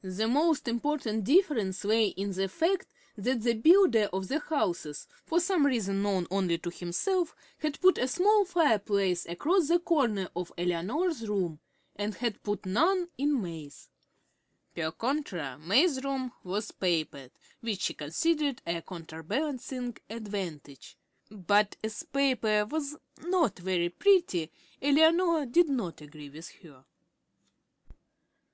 The most important difference lay in the fact that the builder of the houses, for some reason known only to himself, had put a small fireplace across the corner of Eleanor's room, and had put none in May's. Per contra May's room was papered, which she considered a counterbalancing advantage; but as the paper was not very pretty, Eleanor did not agree with her.